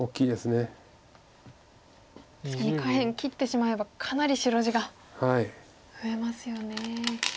確かに下辺切ってしまえばかなり白地が増えますよね。